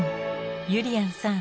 ゆりやんさん